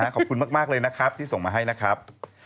ขอบคุณมากเลยนะครับที่ส่งมาให้นะครับ